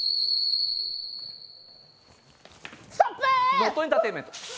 ノットエンターテインメント。